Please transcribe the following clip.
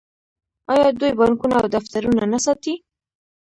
آیا دوی بانکونه او دفترونه نه ساتي؟